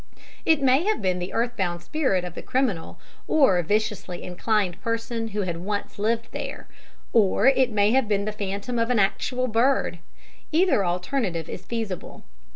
It may have been the earth bound spirit of the criminal or viciously inclined person who had once lived there, or it may have been the phantom of an actual bird. Either alternative is feasible.